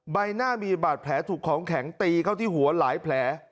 ใบหน้ามีบาดแผลถูกของแข็งตีเข้าที่หัวหลายแผล